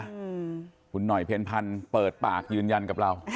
นี่เห็นไหมคุณหน่อยเพลินพันธุ์เปิดปากยืนยันกับเรา